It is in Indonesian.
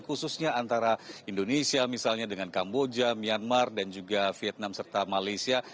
khususnya antara indonesia misalnya dengan kamboja myanmar dan juga vietnam serta malaysia